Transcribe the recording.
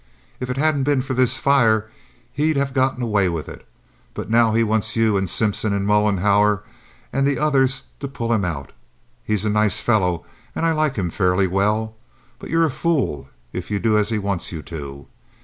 If it hadn't been for this fire he'd have got away with it; but now he wants you and Simpson and Mollenhauer and the others to pull him out. He's a nice fellow, and I like him fairly well; but you're a fool if you do as he wants you to.